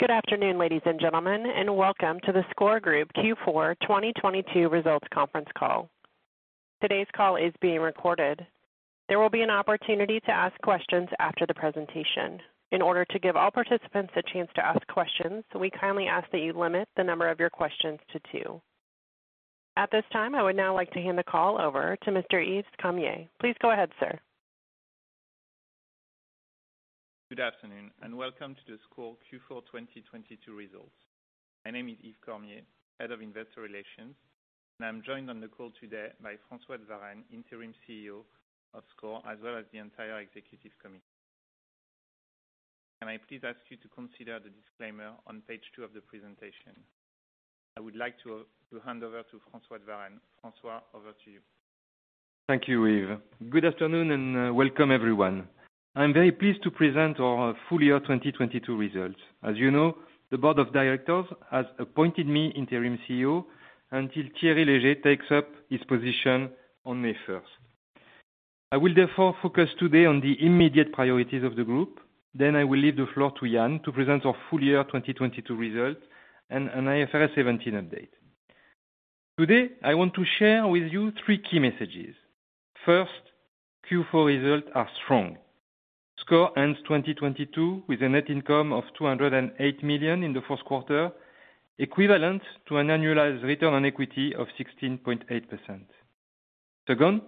Good afternoon, ladies and gentlemen, welcome to the SCOR Group Q4 2022 results conference call. Today's call is being recorded. There will be an opportunity to ask questions after the presentation. In order to give all participants a chance to ask questions, we kindly ask that you limit the number of your questions to 2. At this time, I would now like to hand the call over to Mr. Yves Cormier. Please go ahead, sir. Good afternoon. Welcome to the SCOR Q4 2022 results. My name is Yves Cormier, Head of Investor Relations, and I'm joined on the call today by François Varenne, Interim CEO of SCOR, as well as the entire executive committee. Can I please ask you to consider the disclaimer on page 2 of the presentation. I would like to hand over to François Varenne. François, over to you. Thank you, Yves. Good afternoon, welcome everyone. I'm very pleased to present our full year 2022 results. As you know, the board of directors has appointed me interim CEO until Thierry Léger takes up his position on May first. I will therefore focus today on the immediate priorities of the group. I will leave the floor to Yann to present our full year 2022 results and an IFRS 17 update. Today, I want to share with you three key messages. First, Q4 results are strong. SCOR ends 2022 with a net income of 208 million in the first quarter, equivalent to an annualized return on equity of 16.8%. Second,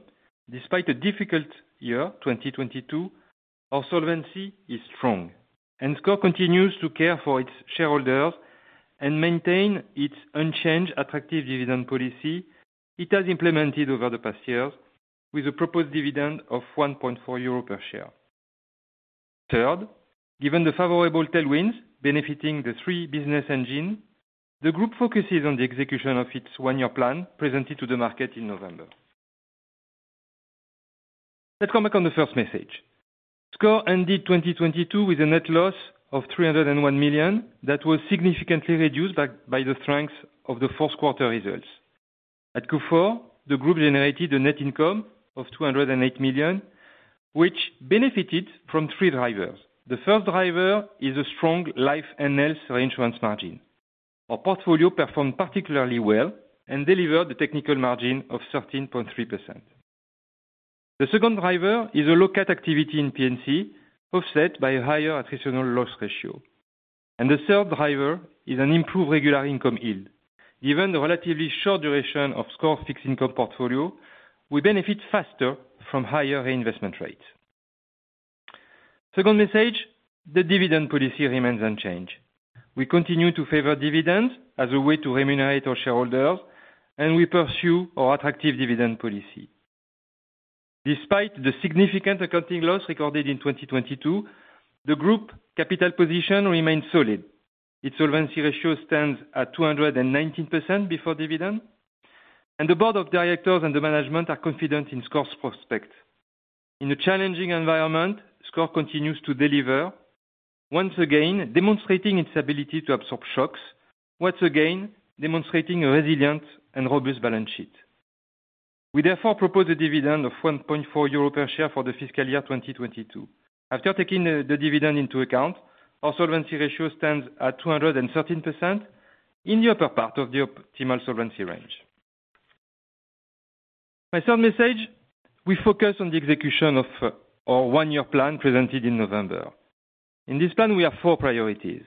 despite a difficult year, 2022, our solvency is strong. SCOR continues to care for its shareholders and maintain its unchanged attractive dividend policy it has implemented over the past years with a proposed dividend of 1.4 euro per share. Given the favorable tailwinds benefiting the 3 business engine, the group focuses on the execution of its one-year plan presented to the market in November. Let's come back on the first message. SCOR ended 2022 with a net loss of 301 million that was significantly reduced by the strength of the fourth quarter results. At Q4, the group generated a net income of 208 million, which benefited from 3 drivers. The first driver is a strong Life & Health reinsurance margin. Our portfolio performed particularly well and delivered a technical margin of 13.3%. The second driver is a low nat cat activity in P&C, offset by a higher attritional loss ratio. The third driver is an improved regular income yield. Given the relatively short duration of SCOR's fixed income portfolio, we benefit faster from higher reinvestment rates. Second message, the dividend policy remains unchanged. We continue to favor dividends as a way to remunerate our shareholders, and we pursue our attractive dividend policy. Despite the significant accounting loss recorded in 2022, the group capital position remains solid. Its solvency ratio stands at 219% before dividend, and the board of directors and the management are confident in SCOR's prospect. In a challenging environment, SCOR continues to deliver, once again demonstrating its ability to absorb shocks, once again demonstrating a resilient and robust balance sheet. We therefore propose a dividend of 1.4 euro per share for the fiscal year 2022. After taking the dividend into account, our solvency ratio stands at 213% in the upper part of the optimal solvency range. My third message. We focus on the execution of our one-year plan presented in November. In this plan, we have four priorities.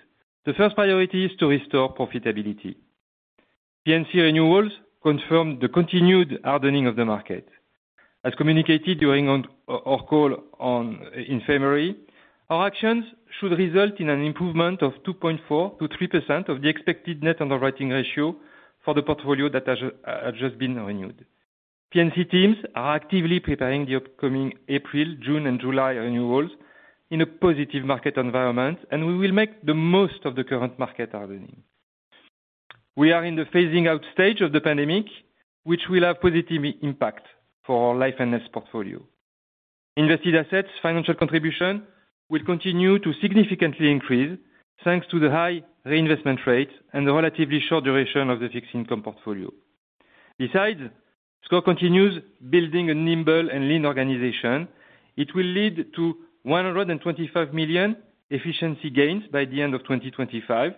The first priority is to restore profitability. P&C renewals confirm the continued hardening of the market. As communicated during our call on, in February, our actions should result in an improvement of 2.4%-3% of the expected net underwriting ratio for the portfolio that has just been renewed. P&C teams are actively preparing the upcoming April, June, and July renewals in a positive market environment, we will make the most of the current market hardening. We are in the phasing out stage of the pandemic, which will have positive impact for our Life & Health portfolio. Invested assets financial contribution will continue to significantly increase thanks to the high reinvestment rate and the relatively short duration of the fixed income portfolio. SCOR continues building a nimble and lean organization. It will lead to 125 million efficiency gains by the end of 2025.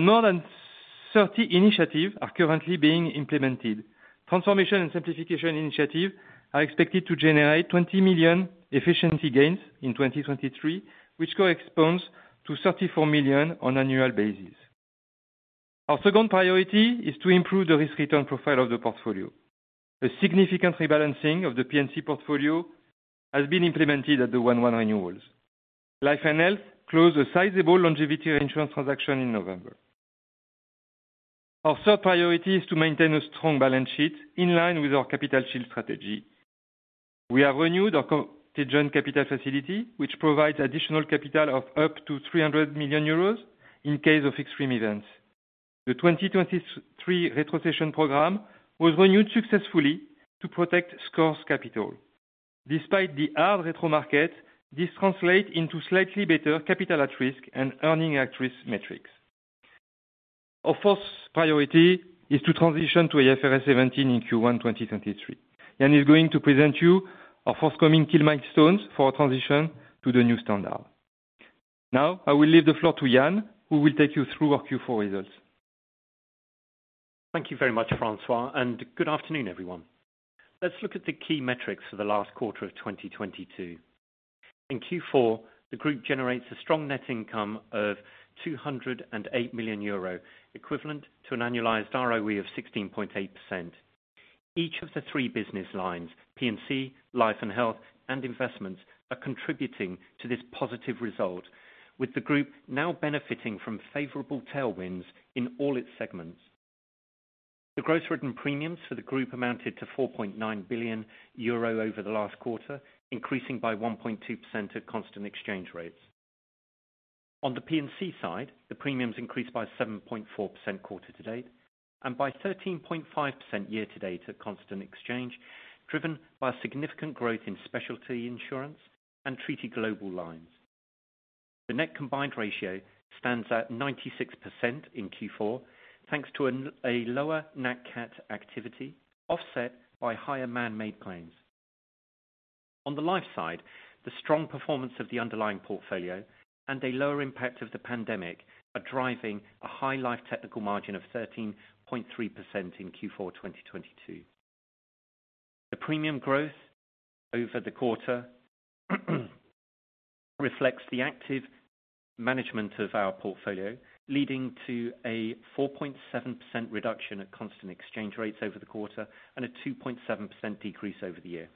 More than 30 initiatives are currently being implemented. Transformation and simplification initiatives are expected to generate 20 million efficiency gains in 2023, which corresponds to 34 million on annual basis. Our second priority is to improve the risk-return profile of the portfolio. A significant rebalancing of the P&C portfolio has been implemented at the one-one renewals. Life & Health closed a sizable longevity reinsurance transaction in November. Our third priority is to maintain a strong balance sheet in line with our Capital Shield Strategy. We have renewed our contingent capital facility, which provides additional capital of up to 300 million euros in case of extreme events. The 2023 retrocession program was renewed successfully to protect SCOR's capital. Despite the hard retro market, this translate into slightly better capital at risk and earning at risk metrics. Our first priority is to transition to IFRS 17 in Q1 2023. Yann is going to present you our forthcoming key milestones for our transition to the new standard. Now I will leave the floor to Yann, who will take you through our Q4 results. Thank you very much, François. Good afternoon, everyone. Let's look at the key metrics for the last quarter of 2022. In Q4, the group generates a strong net income of 208 million euro, equivalent to an annualized ROE of 16.8%. Each of the three business lines, P&C, Life & Health, and Investments, are contributing to this positive result, with the group now benefiting from favorable tailwinds in all its segments. The gross written premiums for the group amounted to 4.9 billion euro over the last quarter, increasing by 1.2% at constant exchange rates. On the P&C side, the premiums increased by 7.4% quarter to date and by 13.5% year to date at constant exchange, driven by significant growth in specialty insurance and treaty global lines. The net combined ratio stands at 96% in Q4, thanks to a lower nat cat activity offset by higher man-made claims. On the Life side, the strong performance of the underlying portfolio and a lower impact of the pandemic are driving a high Life technical margin of 13.3% in Q4 2022. The premium growth over the quarter reflects the active management of our portfolio, leading to a 4.7% reduction at constant exchange rates over the quarter and a 2.7% decrease over the year.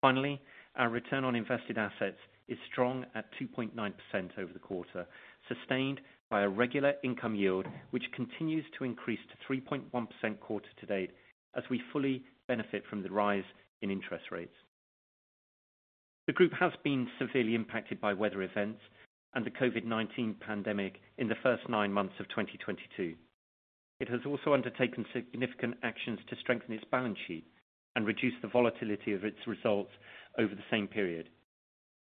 Finally, our return on invested assets is strong at 2.9% over the quarter, sustained by a regular income yield, which continues to increase to 3.1% quarter to date as we fully benefit from the rise in interest rates. The group has been severely impacted by weather events and the COVID-19 pandemic in the first nine months of 2022. It has also undertaken significant actions to strengthen its balance sheet and reduce the volatility of its results over the same period.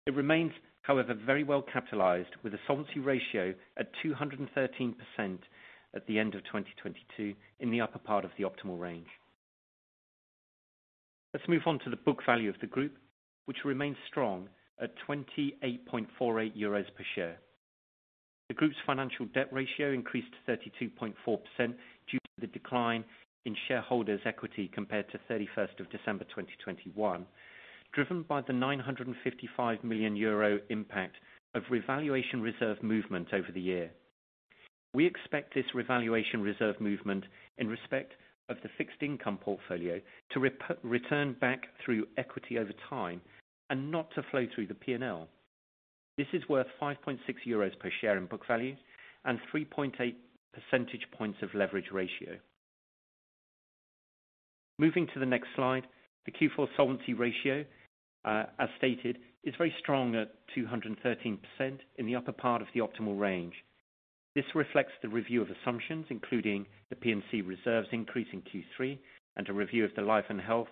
It remains, however, very well capitalized, with a solvency ratio at 213% at the end of 2022 in the upper part of the optimal range. Let's move on to the book value of the group, which remains strong at 28.48 euros per share. The group's financial debt ratio increased to 32.4% due to the decline in shareholders' equity compared to 31st of December 2021, driven by the 955 million euro impact of revaluation reserve movement over the year. We expect this revaluation reserve movement in respect of the fixed income portfolio to return back through equity over time and not to flow through the P&L. This is worth 5.6 euros per share in book value and 3.8 percentage points of leverage ratio. Moving to the next slide, the Q4 solvency ratio, as stated, is very strong at 213% in the upper part of the optimal range. This reflects the review of assumptions, including the P&C reserves increase in Q3 and a review of the Life & Health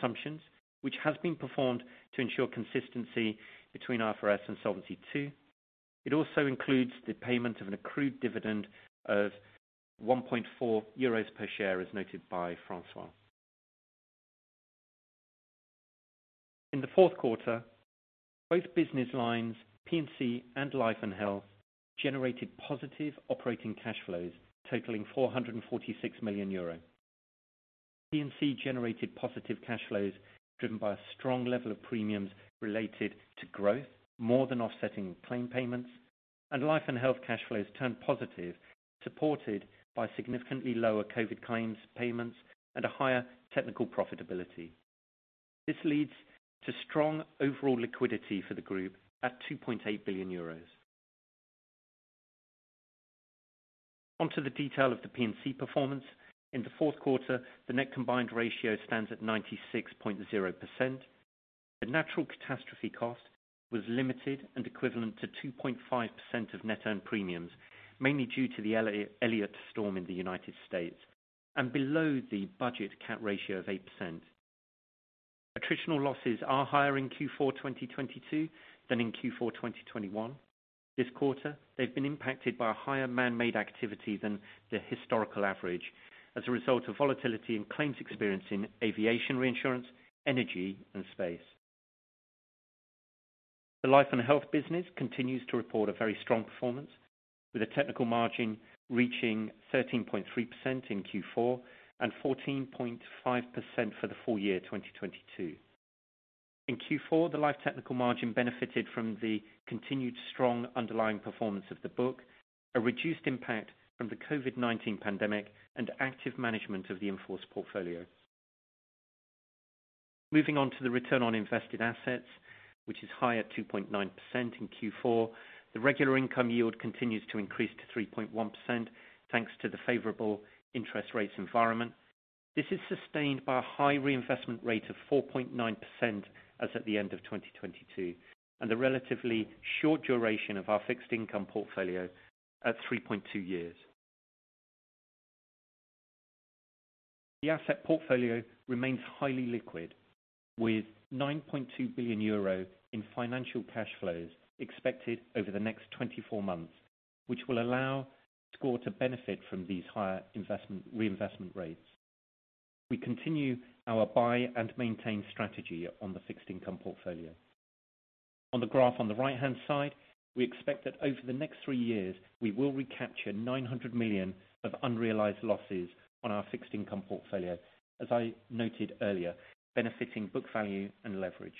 assumptions, which has been performed to ensure consistency between IFRS and Solvency II. It also includes the payment of an accrued dividend of 1.4 euros per share, as noted by François. In the fourth quarter, both business lines, P&C and Life & Health, generated positive operating cash flows totaling 446 million euro. P&C generated positive cash flows driven by a strong level of premiums related to growth, more than offsetting claim payments. Life & Health cash flows turned positive, supported by significantly lower COVID claims payments and a higher technical profitability. This leads to strong overall liquidity for the group at 2.8 billion euros. On to the detail of the P&C performance. In the fourth quarter, the net combined ratio stands at 96.0%. The natural catastrophe cost was limited and equivalent to 2.5% of net earned premiums, mainly due to the Elliott storm in the United States and below the budget cat ratio of 8%. Attritional losses are higher in Q4 2022 than in Q4 2021. This quarter, they've been impacted by a higher man-made activity than the historical average as a result of volatility in claims experience in aviation reinsurance, energy and space. The Life & Health business continues to report a very strong performance, with a technical margin reaching 13.3% in Q4 and 14.5% for the full year 2022. In Q4, the Life technical margin benefited from the continued strong underlying performance of the book, a reduced impact from the COVID-19 pandemic, and active management of the in-force portfolio. Moving on to the return on invested assets, which is high at 2.9% in Q4. The regular income yield continues to increase to 3.1%, thanks to the favorable interest rates environment. This is sustained by a high reinvestment rate of 4.9% as at the end of 2022 and a relatively short duration of our fixed income portfolio at 3.2 years. The asset portfolio remains highly liquid with 9.2 billion euro in financial cash flows expected over the next 24 months, which will allow SCOR to benefit from these higher reinvestment rates. We continue our buy and maintain strategy on the fixed income portfolio. On the graph on the right-hand side, we expect that over the next 3 years, we will recapture 900 million of unrealized losses on our fixed income portfolio, as I noted earlier, benefiting book value and leverage.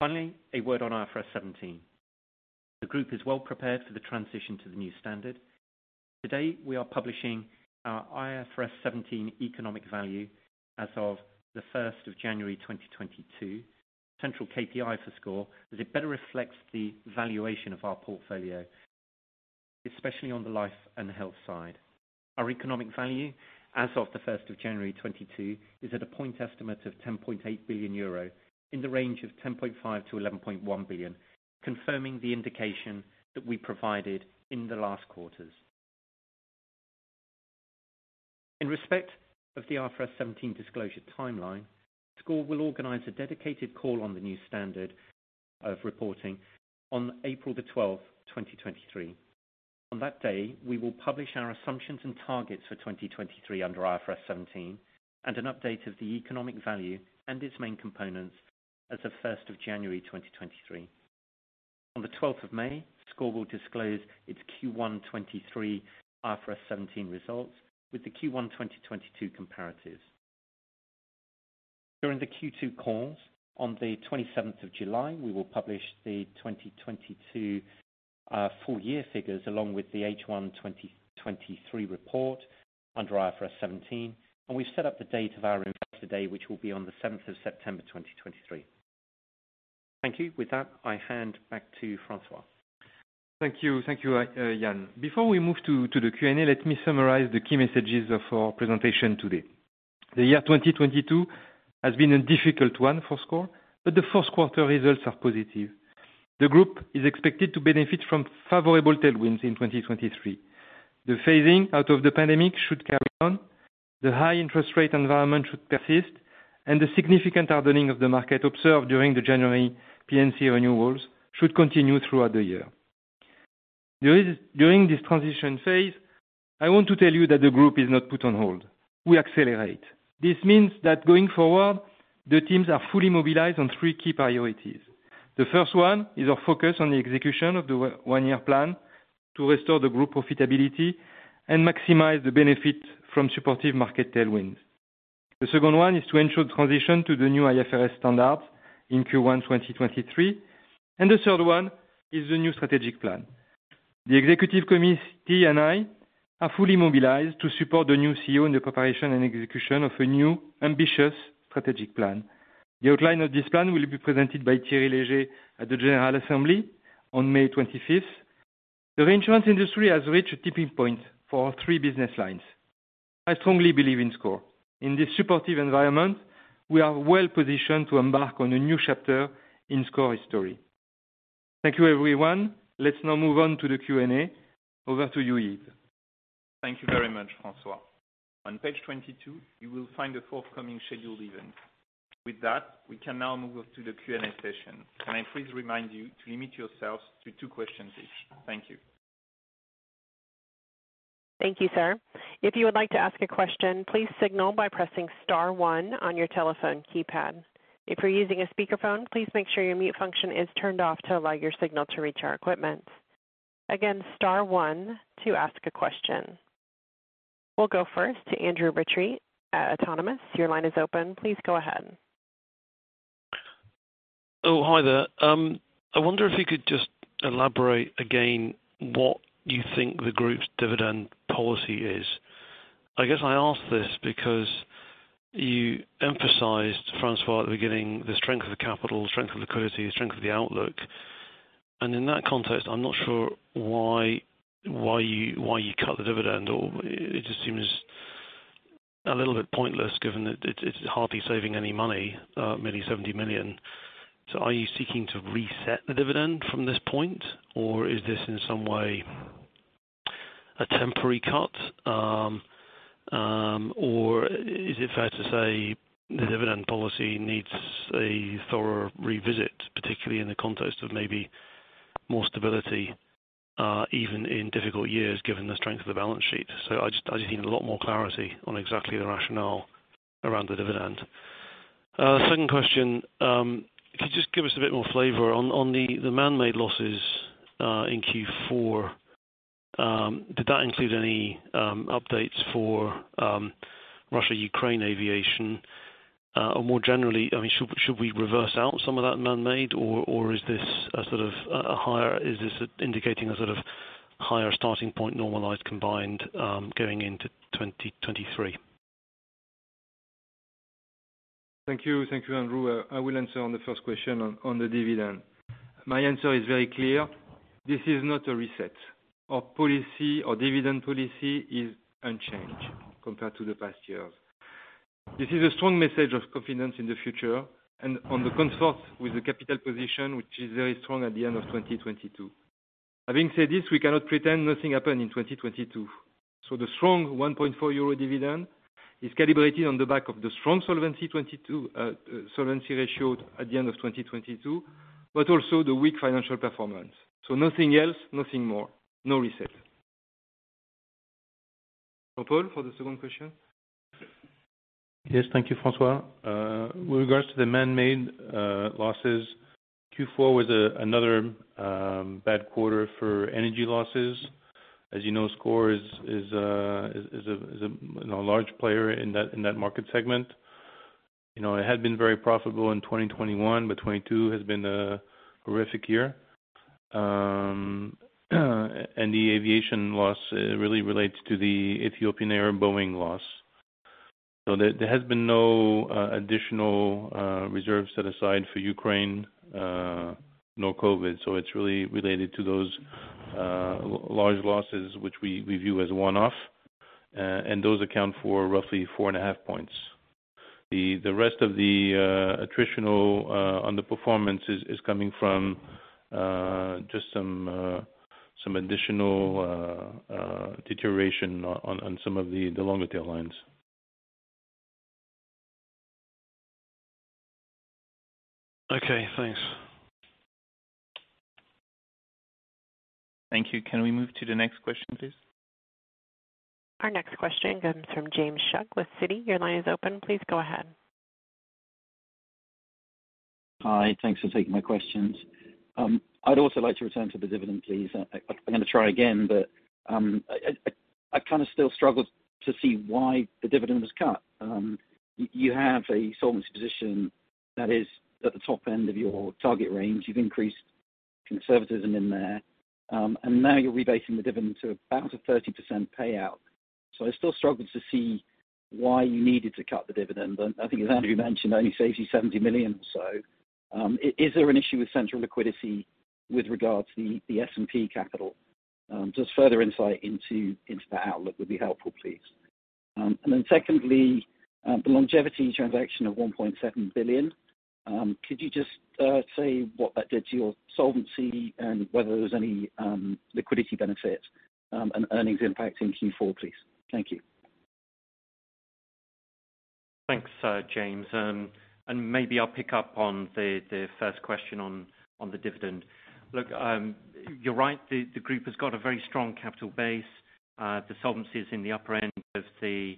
Finally, a word on IFRS 17. The group is well prepared for the transition to the new standard. Today, we are publishing our IFRS 17 economic value as of January 1, 2022, central KPI for SCOR as it better reflects the valuation of our portfolio, especially on the Life & Health side. Our economic value as of January 1, 2022, is at a point estimate of 10.8 billion euro in the range of 10.5 billion-11.1 billion, confirming the indication that we provided in the last quarters. In respect of the IFRS 17 disclosure timeline, SCOR will organize a dedicated call on the new standard of reporting on April 12, 2023. On that day, we will publish our assumptions and targets for 2023 under IFRS 17 and an update of the economic value and its main components as of January 1, 2023. On the 12th of May, SCOR will disclose its Q1 2023 IFRS 17 results with the Q1 2022 comparatives. During the Q2 calls on the 27th of July, we will publish the 2022 full year figures along with the H1 2023 report under IFRS 17, and we've set up the date of our Investor Day, which will be on the 7th of September 2023. Thank you. With that, I hand back to François. Thank you. Thank you, Yann. Before we move to the Q&A, let me summarize the key messages of our presentation today. The year 2022 has been a difficult one for SCOR, but the first quarter results are positive. The group is expected to benefit from favorable tailwinds in 2023. The phasing out of the pandemic should carry on, the high interest rate environment should persist, and the significant hardening of the market observed during the January P&C renewals should continue throughout the year. During this transition phase, I want to tell you that the group is not put on hold. We accelerate. This means that going forward, the teams are fully mobilized on three key priorities. The first one is our focus on the execution of the one year plan to restore the group profitability and maximize the benefit from supportive market tailwinds. The second one is to ensure transition to the new IFRS standards in Q1 2023. The third one is the new strategic plan. The executive committee and I are fully mobilized to support the new CEO in the preparation and execution of a new ambitious strategic plan. The outline of this plan will be presented by Thierry Léger at the General Assembly on May 25th. The reinsurance industry has reached a tipping point for our three business lines. I strongly believe in SCOR. In this supportive environment, we are well positioned to embark on a new chapter in SCOR history. Thank you, everyone. Let's now move on to the Q&A. Over to you, Yves. Thank you very much, François. On page 22, you will find the forthcoming scheduled event. With that, we can now move to the Q&A session. Can I please remind you to limit yourselves to 2 questions each? Thank you. Thank you, sir. If you would like to ask a question, please signal by pressing star one on your telephone keypad. If you're using a speakerphone, please make sure your mute function is turned off to allow your signal to reach our equipment. Again, star one to ask a question. We'll go first to Andrew Crean at Autonomous Research. Your line is open. Please go ahead. Hi there. I wonder if you could just elaborate again what you think the group's dividend policy is. I guess I ask this because you emphasized, François Varenne, at the beginning, the strength of the capital, strength of liquidity, the strength of the outlook. In that context, I'm not sure why you cut the dividend, or it just seems a little bit pointless given that it's hardly saving any money, merely 70 million. Are you seeking to reset the dividend from this point, or is this in some way a temporary cut? Or is it fair to say the dividend policy needs a thorough revisit, particularly in the context of maybe more stability, even in difficult years, given the strength of the balance sheet? I just need a lot more clarity on exactly the rationale around the dividend. Second question, could you just give us a bit more flavor on the man-made losses in Q4? Did that include any updates for Russia/Ukraine aviation? More generally, I mean, should we reverse out some of that man-made or is this indicating a sort of higher starting point, normalized, combined, going into 2023? Thank you. Thank you, Andrew. I will answer on the first question on the dividend. My answer is very clear. This is not a reset. Our policy, our dividend policy is unchanged compared to the past years. This is a strong message of confidence in the future and on the consult with the capital position, which is very strong at the end of 2022. Having said this, we cannot pretend nothing happened in 2022. The strong 1.4 euro dividend is calibrated on the back of the strong solvency 22 solvency ratio at the end of 2022, but also the weak financial performance. Nothing else, nothing more, no reset. Paul, for the second question. Yes, thank you, François. With regards to the man-made losses, Q4 was another bad quarter for energy losses. As you know, SCOR is a, you know, large player in that market segment. You know, it had been very profitable in 2021, but 2022 has been a horrific year. The aviation loss really relates to the Ethiopian Airlines Boeing loss. There has been no additional reserves set aside for Ukraine, nor COVID. It's really related to those large losses, which we view as one-off. Those account for roughly 4.5 points. The rest of the attritional underperformance is coming from just some additional deterioration on some of the longer tail lines. Okay, thanks. Thank you. Can we move to the next question, please? Our next question comes from James Shuck with Citi. Your line is open. Please go ahead. Hi. Thanks for taking my questions. I'd also like to return to the dividend, please. I'm gonna try again, but I kinda still struggle to see why the dividend was cut. You have a solvency position that is at the top end of your target range. You've increased conservatism in there, and now you're rebasing the dividend to about a 30% payout. I still struggle to see why you needed to cut the dividend. I think as Andrew mentioned, it only saves you 70 million or so. Is there an issue with central liquidity with regards the S&P capital? Just further insight into that outlook would be helpful, please. Secondly, the longevity transaction of 1.7 billion, could you just say what that did to your solvency and whether there's any liquidity benefit and earnings impact in Q4, please? Thank you. Thanks, James. Maybe I'll pick up on the first question on the dividend. Look, you're right, the group has got a very strong capital base. The solvency is in the upper end of the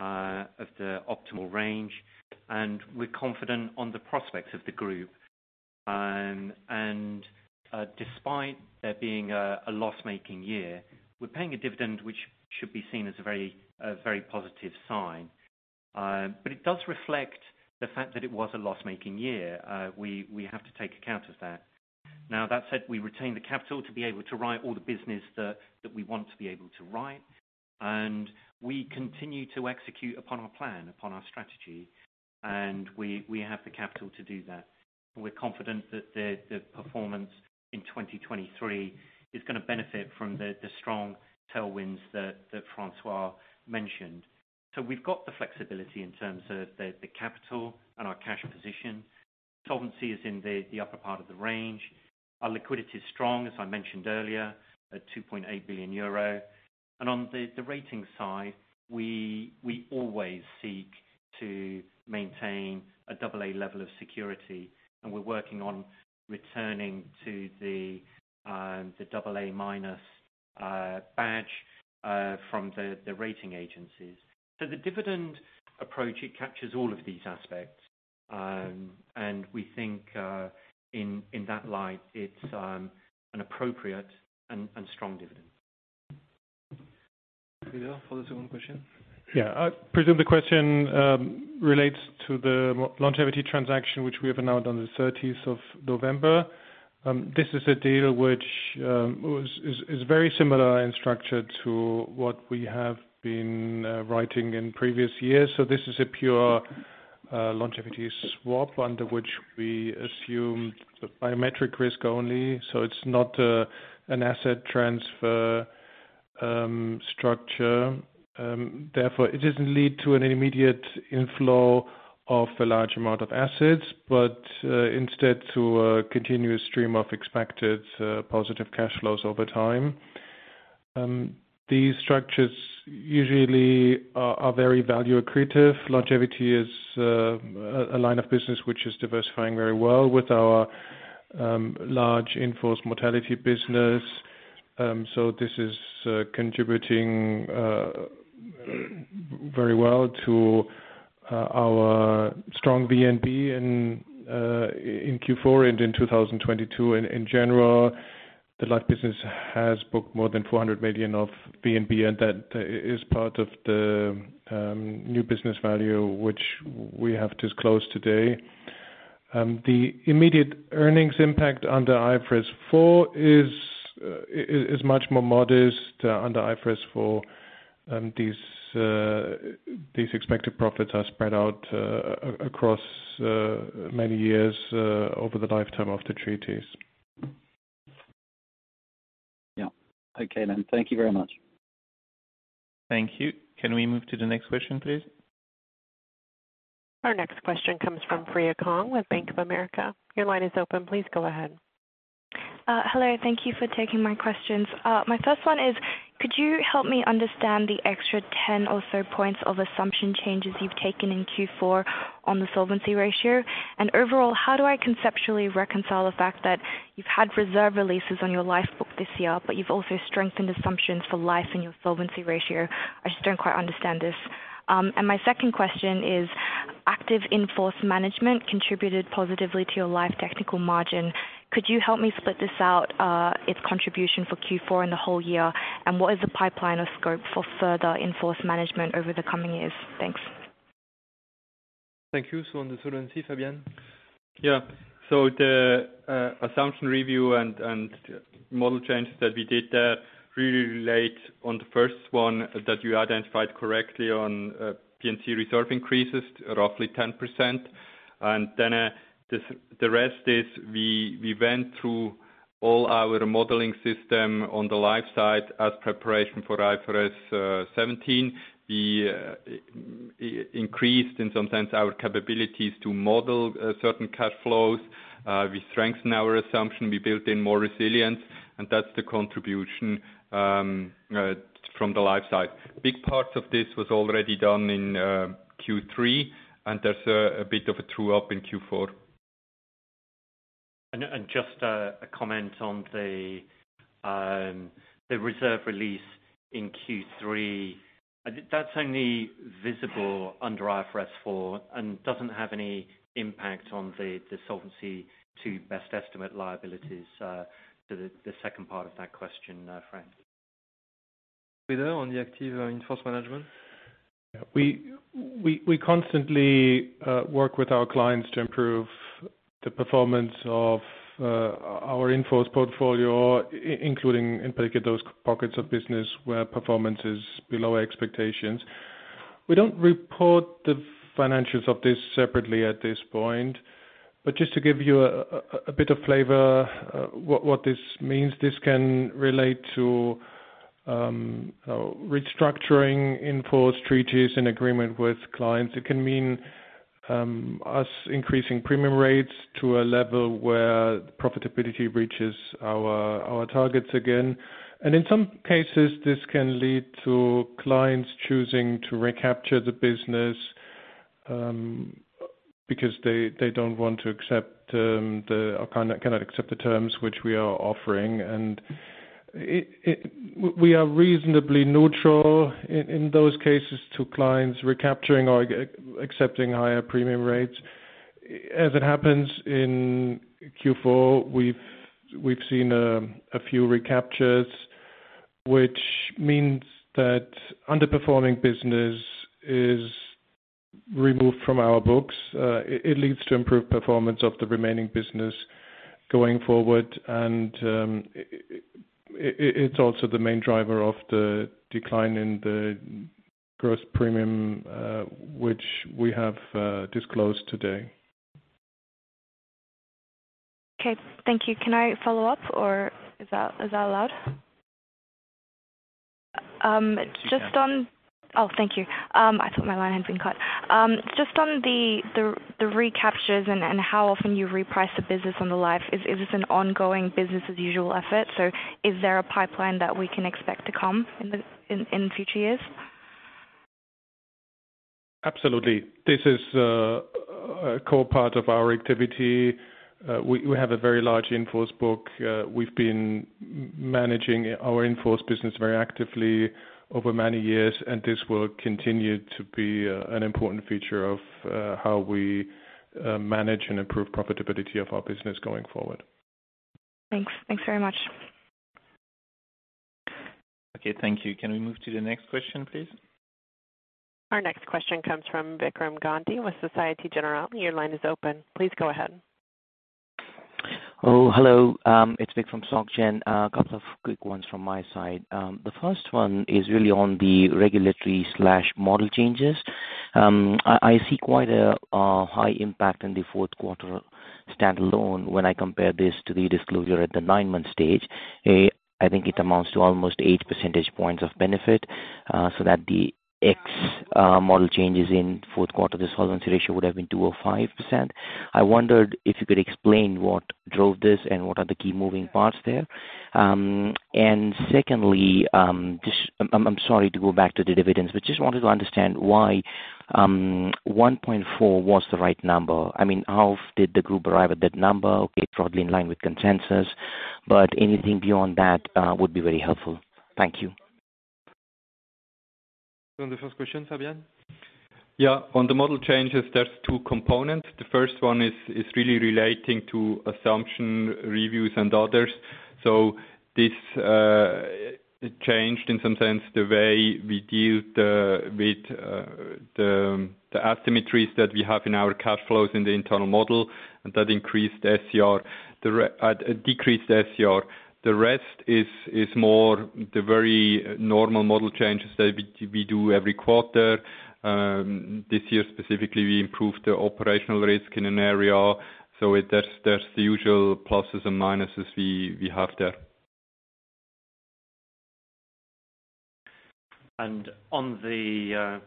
optimal range, we're confident on the prospects of the group. Despite there being a loss-making year, we're paying a dividend which should be seen as a very positive sign. It does reflect the fact that it was a loss-making year. We have to take account of that. Now, that said, we retain the capital to be able to write all the business that we want to be able to write, we continue to execute upon our plan, upon our strategy. We have the capital to do that. We're confident that the performance in 2023 is gonna benefit from the strong tailwinds that François mentioned. We've got the flexibility in terms of the capital and our cash position. Solvency is in the upper part of the range. Our liquidity is strong, as I mentioned earlier, at 2.8 billion euro. On the rating side, we always seek to maintain an AA level of security, and we're working on returning to the AA- badge from the rating agencies. The dividend approach, it captures all of these aspects. We think in that light, it's an appropriate and strong dividend. Leo, for the second question. I presume the question relates to the longevity transaction, which we have announced on the 13th of November. This is a deal which is very similar in structure to what we have been writing in previous years. This is a pure longevity swap under which we assume the biometric risk only. It's not an asset transfer structure. Therefore, it doesn't lead to an immediate inflow of a large amount of assets, but instead, to a continuous stream of expected positive cash flows over time. These structures usually are very value accretive. Longevity is a line of business which is diversifying very well with our large in-force mortality business. This is contributing very well to our strong VNB in Q4 and in 2022. In general, the life business has booked more than 400 million of VNB, and that is part of the new business value which we have disclosed today. The immediate earnings impact under IFRS 4 is much more modest. Under IFRS 4, these expected profits are spread out across many years over the lifetime of the treaties. Yeah. Okay then. Thank you very much. Thank you. Can we move to the next question, please? Our next question comes from Freya Kong with Bank of America. Your line is open. Please go ahead. Hello, thank you for taking my questions. My first one is, could you help me understand the extra 10 or so points of assumption changes you've taken in Q4 on the solvency ratio? Overall, how do I conceptually reconcile the fact that you've had reserve releases on your life book this year, but you've also strengthened assumptions for life in your solvency ratio? I just don't quite understand this. My second question is active in-force management contributed positively to your life technical margin. Could you help me split this out, its contribution for Q4 and the whole year? What is the pipeline of scope for further in-force management over the coming years? Thanks. Thank you. On the solvency, Fabian. Yeah. The assumption review and model changes that we did there really relate on the first one that you identified correctly on P&C reserve increases roughly 10%. The rest is we went through all our modeling system on the life side as preparation for IFRS 17. We increased in some sense our capabilities to model certain cash flows. We strengthened our assumption. We built in more resilience, and that's the contribution from the life side. Big parts of this was already done in Q3, and there's a bit of a true-up in Q4. Just a comment on the reserve release in Q3. I think that's only visible under IFRS 4 and doesn't have any impact on the Solvency II best estimate liabilities. The second part of that question, Freya. Peter, on the active, in-force management. We constantly work with our clients to improve the performance of our in-force portfolio, including in particular those pockets of business where performance is below expectations. We don't report the financials of this separately at this point, but just to give you a bit of flavor, what this means, this can relate to restructuring in-force treaties and agreement with clients. It can mean us increasing premium rates to a level where profitability reaches our targets again. In some cases, this can lead to clients choosing to recapture the business, because they don't want to accept the or cannot accept the terms which we are offering. We are reasonably neutral in those cases to clients recapturing or accepting higher premium rates. As it happens in Q4, we've seen a few recaptures, which means that underperforming business is removed from our books. It leads to improved performance of the remaining business going forward, and it's also the main driver of the decline in the gross premium, which we have disclosed today. Okay. Thank you. Can I follow up, or is that allowed? Just on. Yeah. Oh, thank you. I thought my line had been cut. Just on the recaptures and how often you reprice the business on the life, is this an ongoing business as usual effort? Is there a pipeline that we can expect to come in future years? Absolutely. This is a core part of our activity. We have a very large in-force book. We've been managing our in-force business very actively over many years. This will continue to be an important feature of how we manage and improve profitability of our business going forward. Thanks. Thanks very much. Okay, thank you. Can we move to the next question, please? Our next question comes from Vikram Gandhi with Societe Generale. Your line is open. Please go ahead. Hello. It's Vic from Soc Gen. A couple of quick ones from my side. The first one is really on the regulatory/model changes. I see quite a high impact in the fourth quarter standalone when I compare this to the disclosure at the nine-month stage. I think it amounts to almost 8 percentage points of benefit, so that the X model changes in fourth quarter, the solvency ratio would have been 205%. I wondered if you could explain what drove this and what are the key moving parts there. Secondly, just I'm sorry to go back to the dividends, but just wanted to understand why 1.4 was the right number. I mean, how did the group arrive at that number? Okay, broadly in line with consensus, but anything beyond that, would be very helpful. Thank you. On the first question, Fabian. Yeah. On the model changes, there's 2 components. The first one is really relating to assumption reviews and others. This changed in some sense, the way we deal with the asymmetries that we have in our cash flows in the internal model, and that increased SCR. The decreased SCR. The rest is more the very normal model changes that we do every quarter. This year specifically, we improved the operational risk in an area. That's the usual pluses and minuses we have there. On the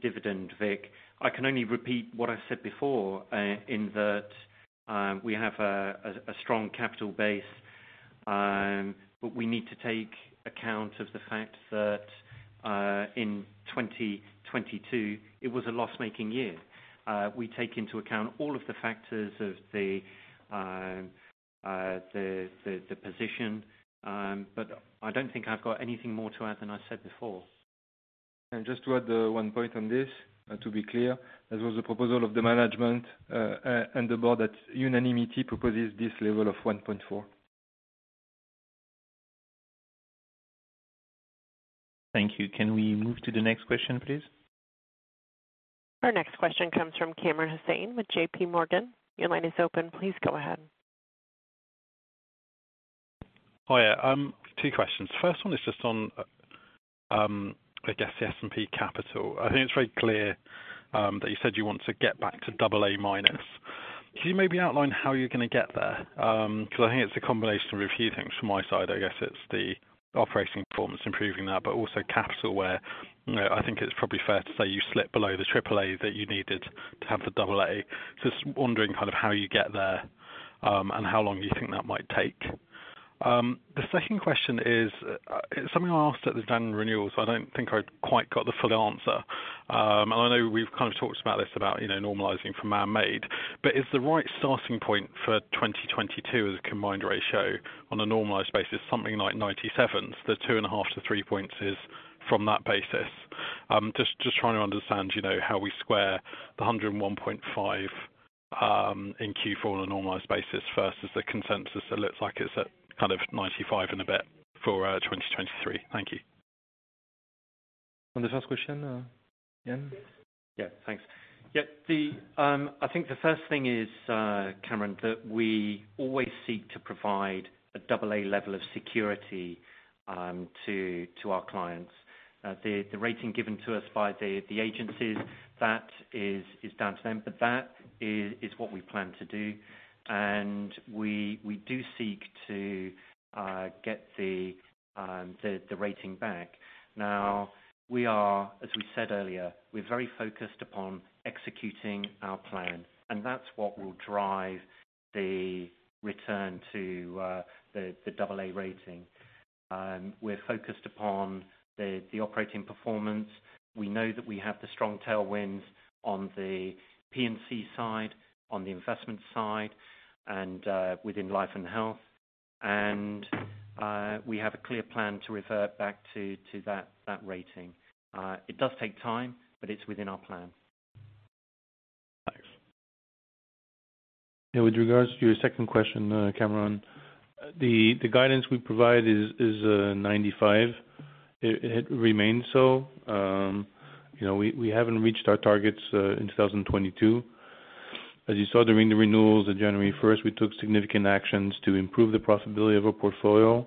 dividend, Vic, I can only repeat what I said before, in that, we have a strong capital base, but we need to take account of the fact that in 2022 it was a loss-making year. We take into account all of the factors of the position, but I don't think I've got anything more to add than I said before. Just to add one point on this, to be clear, as was the proposal of the management, and the board at unanimity proposes this level of 1.4. Thank you. Can we move to the next question, please? Our next question comes from Kamran Hossain with JPMorgan. Your line is open. Please go ahead. Yeah. Two questions. First one is just on, I guess the S&P capital. I think it's very clear that you said you want to get back to AA-. Can you maybe outline how you're gonna get there? I think it's a combination of a few things from my side. I guess it's the operating performance, improving that, but also capital, where, you know, I think it's probably fair to say you slip below the AAA that you needed to have the double A. Just wondering kind of how you get there, and how long you think that might take. The second question is something I asked at the Jan renewals. I don't think I quite got the full answer. I know we've kind of talked about this, about, you know, normalizing from man-made, but is the right starting point for 2022 as a combined ratio on a normalized basis, something like 97, the 2.5-3 points is from that basis. Just trying to understand, you know, how we square the 101.5 in Q4 on a normalized basis versus the consensus. It looks like it's at kind of 95 and a bit for 2023. Thank you. On the first question, Ian Kelly. Yeah, thanks. Yeah, the, I think the first thing is, Kamran, that we always seek to provide a AA- level of security to our clients. The rating given to us by the agencies, that is down to them, but that is what we plan to do. We do seek to get the rating back. We are, as we said earlier, we're very focused upon executing our plan, and that's what will drive the return to the AA- rating. We're focused upon the operating performance. We know that we have the strong tailwinds on the P&C side, on the investment side, and within Life & Health. We have a clear plan to revert back to that rating. It does take time, but it's within our plan. Thanks. Yeah. With regards to your second question, Kamran, the guidance we provide is 95. It remains so. You know, we haven't reached our targets in 2022. As you saw during the renewals of January 1st, we took significant actions to improve the profitability of our portfolio.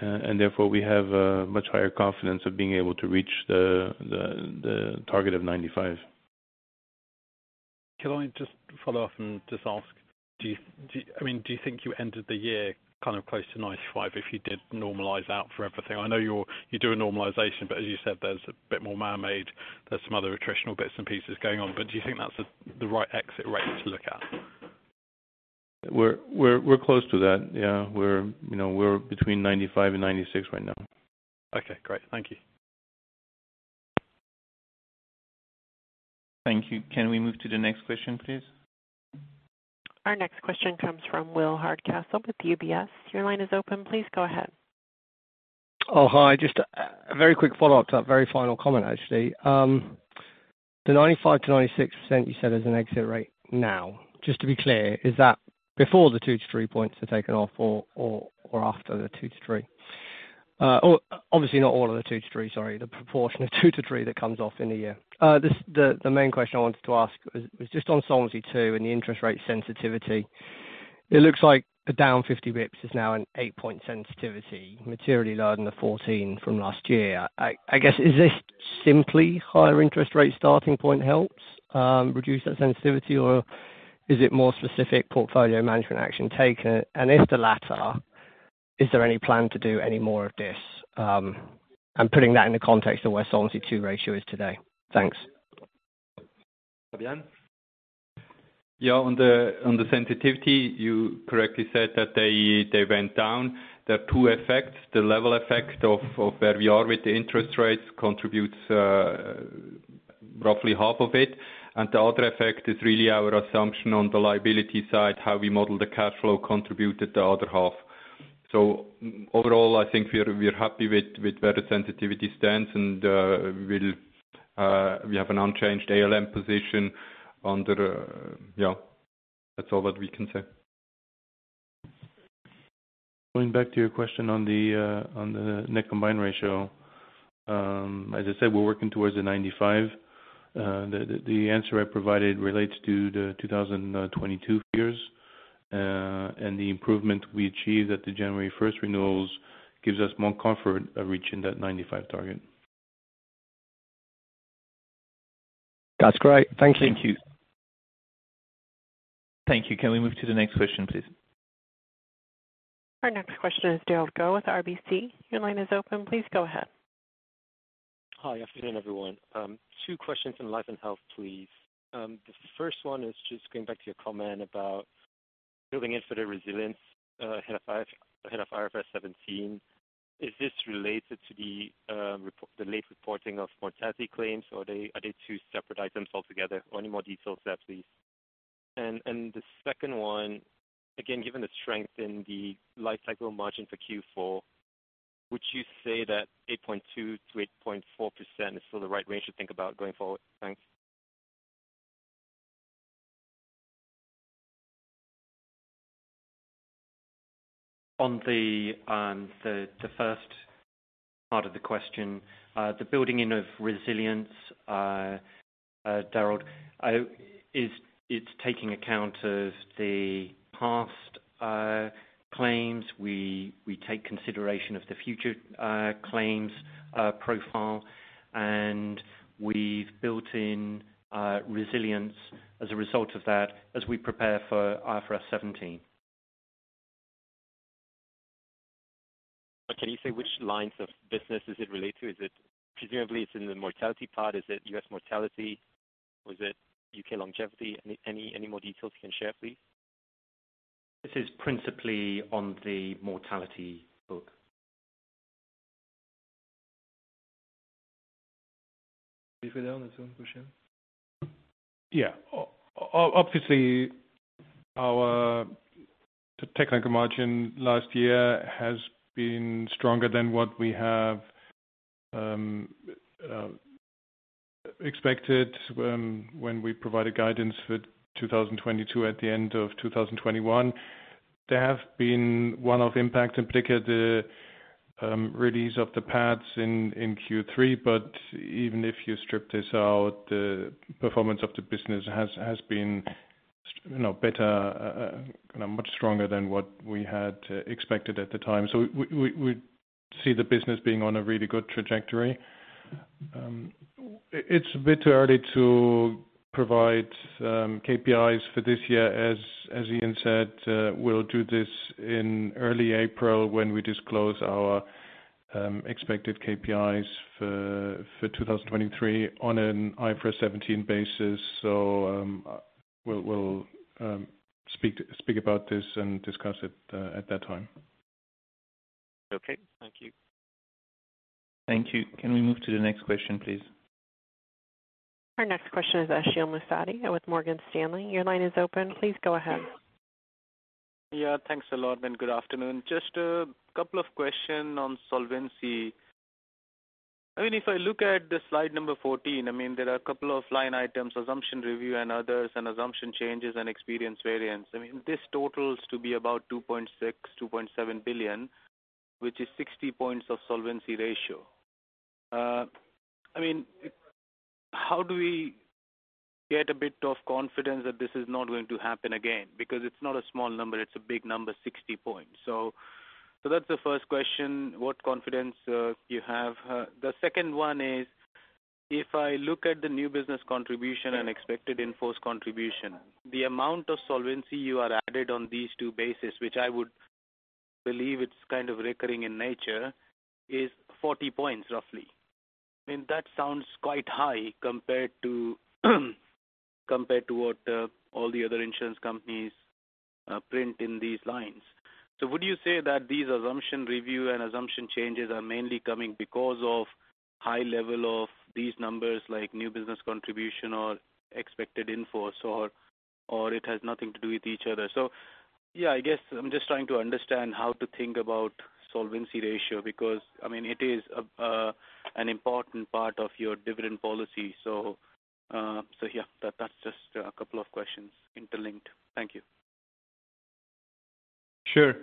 Therefore, we have a much higher confidence of being able to reach the target of 95. Can I just follow up and just ask, I mean, do you think you ended the year kind of close to 95 if you did normalize out for everything? I know you do a normalization, but as you said, there's a bit more man-made, there's some other attritional bits and pieces going on, but do you think that's the right exit rate to look at? We're close to that. Yeah. We're, you know, we're between 95 and 96 right now. Okay, great. Thank you. Thank you. Can we move to the next question, please? Our next question comes from Will Hardcastle with UBS. Your line is open. Please go ahead. Hi. Just a very quick follow-up to that very final comment, actually. The 95%-96% you said is an exit rate now. Just to be clear, is that before the 2 to 3 points are taken off or after the 2 to 3? Obviously not all of the 2 to 3, sorry, the proportion of 2 to 3 that comes off in a year. The main question I wanted to ask was just on Solvency II and the interest rate sensitivity. It looks like a down 50 basis points is now an 8-point sensitivity, materially lower than the 14 from last year. I guess, is this simply higher interest rate starting point helps reduce that sensitivity, or is it more specific portfolio management action taken? If the latter, is there any plan to do any more of this? I'm putting that in the context of where Solvency II ratio is today. Thanks. Fabian. On the sensitivity, you correctly said that they went down. There are two effects. The level effect of where we are with the interest rates contributes roughly half of it. The other effect is really our assumption on the liability side, how we model the cash flow contributed the other half. Overall, I think we're happy with where the sensitivity stands and we have an unchanged ALM position under. That's all that we can say. Going back to your question on the on the net combined ratio. As I said, we're working towards the 95. The answer I provided relates to the 2022 years. The improvement we achieved at the January 1st renewals gives us more comfort of reaching that 95 target. That's great. Thank you. Thank you. Thank you. Can we move to the next question, please? Our next question is Darrell Law with RBC. Your line is open. Please go ahead. Hi. Good afternoon, everyone. Two questions in Life & Health, please. The first one is just going back to your comment about building in for the resilience, ahead of IFRS 17. Is this related to the late reporting of mortality claims, or are they two separate items altogether? Or any more details there, please. The second one, again, given the strength in the life cycle margin for Q4, would you say that 8.2%-8.4% is still the right way to think about going forward? Thanks. On the first part of the question, the building in of resilience, Darrell, it's taking account of the past claims. We take consideration of the future claims profile, and we've built in resilience as a result of that as we prepare for IFRS 17. Can you say which lines of business is it related to? Presumably it's in the mortality part. Is it US mortality, or is it UK longevity? Any more details you can share, please? This is principally on the mortality book. Frieder, on the second question. Obviously, our technical margin last year has been stronger than what we have expected when we provided guidance for 2022 at the end of 2021. There have been one-off impacts, in particular the release of the PADs in Q3, but even if you strip this out, the performance of the business has been, you know, better, much stronger than what we had expected at the time. We see the business being on a really good trajectory. It's a bit too early to provide KPI for this year. As Ian said, we'll do this in early April when we disclose our expected KPI for 2023 on an IFRS 17 basis. We'll speak about this and discuss it at that time. Okay. Thank you. Thank you. Can we move to the next question, please? Our next question is Ashik Musaddi with Morgan Stanley. Your line is open. Please go ahead. Yeah. Thanks a lot, and good afternoon. Just a couple of questions on solvency. I mean, if I look at the slide number 14, I mean, there are a couple of line items, assumption review and others, and assumption changes and experience variants. I mean, this totals to be about 2.6 billion-2.7 billion, which is 60 points of solvency ratio. I mean, how do we get a bit of confidence that this is not going to happen again? Because it's not a small number, it's a big number, 60 points. So that's the first question. What confidence you have? The second one is, if I look at the new business contribution and expected in-force contribution, the amount of solvency you are added on these two bases, which I would believe it's kind of recurring in nature, is 40 points roughly. I mean, that sounds quite high compared to what all the other insurance companies print in these lines. Would you say that these assumption review and assumption changes are mainly coming because of high level of these numbers, like new business contribution or expected in-force, or it has nothing to do with each other? Yeah, I guess I'm just trying to understand how to think about solvency ratio, because, I mean, it is an important part of your dividend policy. Yeah, that's just a couple of questions interlinked. Thank you. Sure.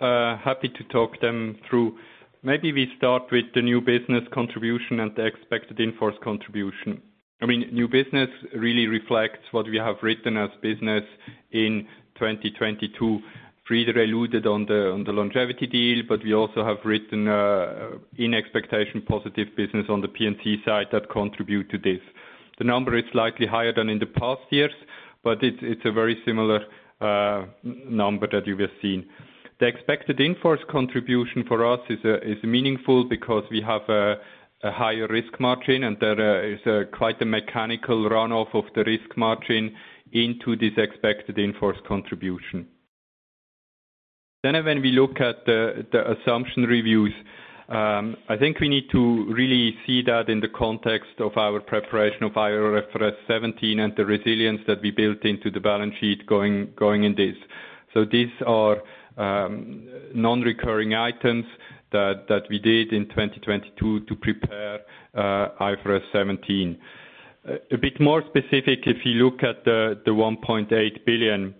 happy to talk them through. Maybe we start with the new business contribution and the expected in-force contribution. I mean, new business really reflects what we have written as business in 2022. Frieder alluded on the longevity deal, but we also have written in expectation positive business on the P&C side that contribute to this. The number is slightly higher than in the past years, but it's a very similar number that you have seen. The expected in-force contribution for us is meaningful because we have a higher risk margin, and there is quite a mechanical runoff of the risk margin into this expected in-force contribution. When we look at the assumption reviews, I think we need to really see that in the context of our preparation of IFRS 17 and the resilience that we built into the balance sheet going in this. These are non-recurring items that we did in 2022 to prepare IFRS 17. A bit more specific, if you look at the 1.8 billion,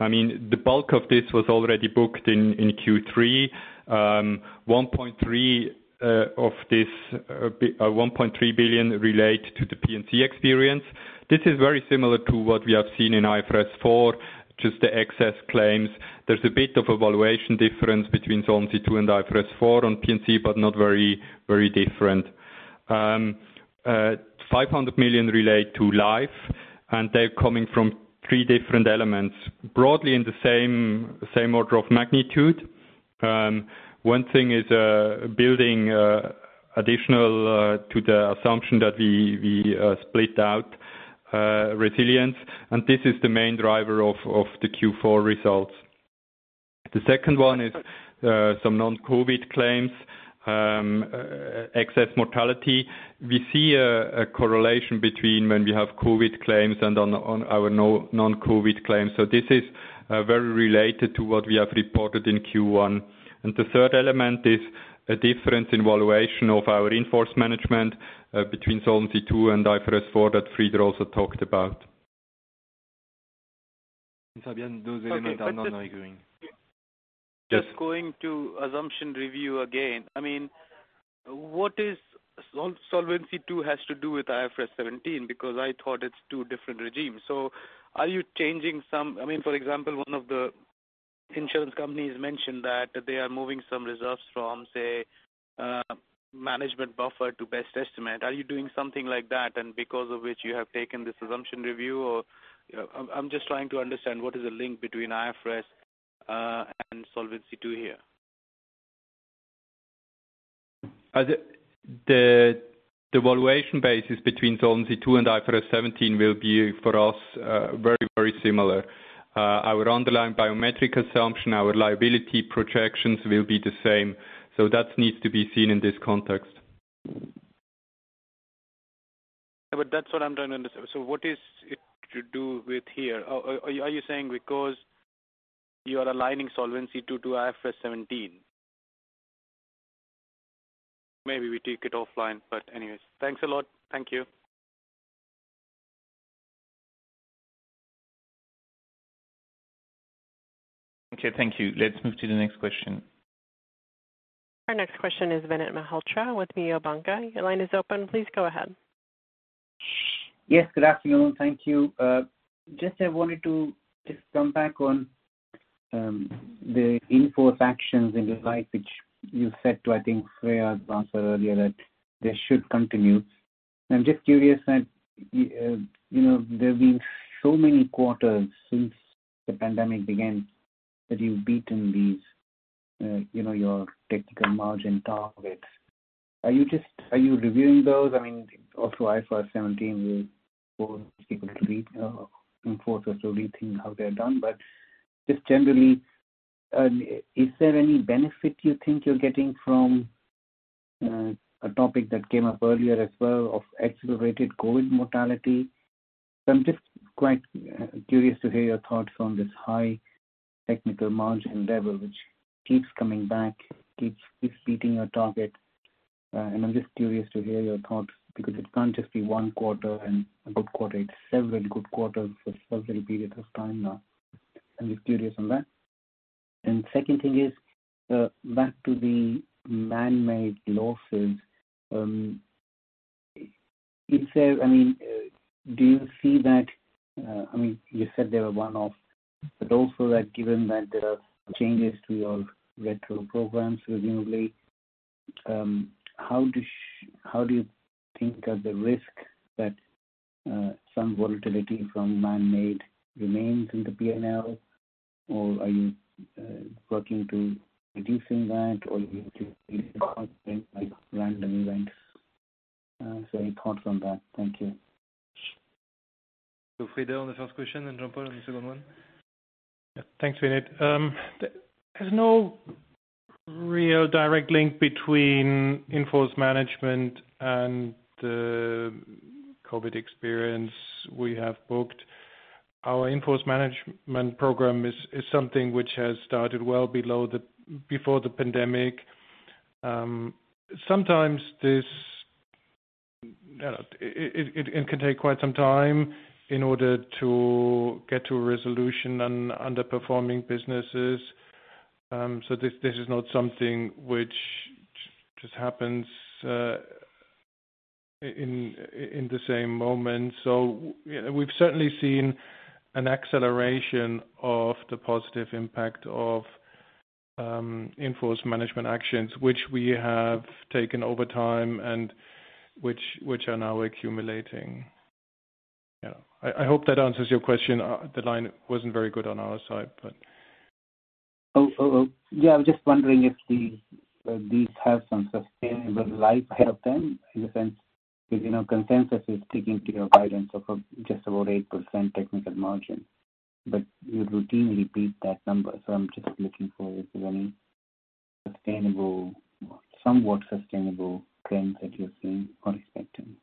I mean, the bulk of this was already booked in Q3. 1.3 of this, 1.3 billion relate to the P&C experience. This is very similar to what we have seen in IFRS 4, just the excess claims. There's a bit of evaluation difference between Solvency II and IFRS 4 on P&C, but not very, very different. 500 million relate to life. They're coming from three different elements, broadly in the same order of magnitude. One thing is building additional to the assumption that we split out resilience. This is the main driver of the Q4 results. The second one is some non-COVID claims, excess mortality. We see a correlation between when we have COVID claims and on our non-COVID claims. This is very related to what we have reported in Q1. The third element is a difference in valuation of our in-force management between Solvency II and IFRS 17 that Frieder also talked about. Fabian, those elements are not agreeing. Just going to assumption review again. I mean, what is Solvency II has to do with IFRS 17? Because I thought it's two different regimes. Are you changing some... I mean, for example, one of the insurance companies mentioned that they are moving some reserves from, say, management buffer to best estimate. Are you doing something like that? Because of which you have taken this assumption review or... I'm just trying to understand what is the link between IFRS and Solvency II here. The valuation basis between Solvency II and IFRS 17 will be, for us, very, very similar. Our underlying biometric assumption, our liability projections will be the same. That needs to be seen in this context. That's what I'm trying to understand. What is it to do with here? Are you saying because you are aligning Solvency II to IFRS 17? Maybe we take it offline, anyways, thanks a lot. Thank you. Okay, thank you. Let's move to the next question. Our next question is Vinit Malhotra with Mediobanca. Your line is open. Please go ahead. Yes, good afternoon. Thank you. Just I wanted to just come back on the in-force actions in your life, which you said to, I think, Freya's answer earlier, that they should continue. I'm just curious that, you know, there have been so many quarters since the pandemic began that you've beaten these, you know, your technical margin targets. Are you reviewing those? I mean, also IFRS 17 will force people to read in force or to rethink how they're done. Just generally, is there any benefit you think you're getting from a topic that came up earlier as well of accelerated COVID mortality? I'm just quite curious to hear your thoughts on this high technical margin level, which keeps coming back, keeps beating your target. I'm just curious to hear your thoughts, because it can't just be 1 quarter and a good quarter. It's several good quarters for several periods of time now. I'm just curious on that. Second thing is, back to the man-made losses, do you see that, you said they were 1-off, but also that given that there are changes to your retro programs reasonably, how do you think of the risk that some volatility from man-made remains in the P&L? Or are you working to reducing that or random events? Any thoughts on that? Thank you. Frieder on the first question, and Jean-Paul on the second one. Thanks, Vinit. There's no real direct link between in-force management and the COVID experience we have booked. Our in-force management program is something which has started well before the pandemic. Sometimes this, it can take quite some time in order to get to a resolution on underperforming businesses. This is not something which just happens in the same moment. We've certainly seen an acceleration of the positive impact of in-force management actions, which we have taken over time and which are now accumulating. I hope that answers your question. The line wasn't very good on our side, but... Yeah, I was just wondering if these have some sustainable life ahead of them in a sense, because, you know, consensus is taking to your guidance of just about 8% technical margin, but you routinely beat that number. I'm just looking for if there's any sustainable, somewhat sustainable trends that you're seeing or expecting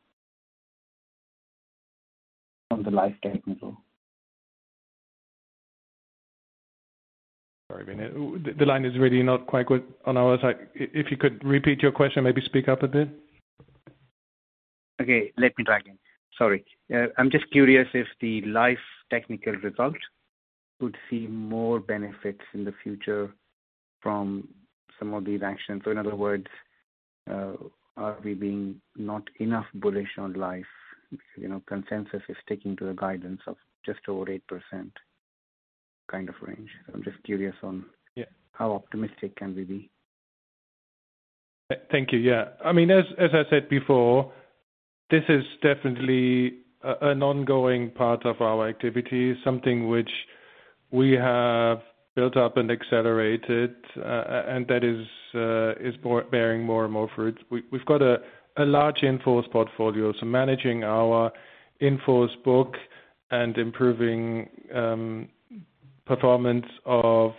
on the life technical. Sorry, Vinit. The line is really not quite good on our side. If you could repeat your question, maybe speak up a bit. Okay, let me try again. Sorry. I'm just curious if the life technical result could see more benefits in the future from some of these actions. In other words, are we being not enough bullish on life? You know, consensus is sticking to the guidance of just over 8% kind of range. Yeah. How optimistic can we be? Thank you. Yeah. I mean, as I said before, this is definitely an ongoing part of our activity, something which we have built up and accelerated, and that is bearing more and more fruit. We've got a large in-force portfolio, so managing our in-force book and improving performance of